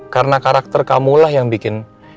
karena karakter kamu lah yang bikin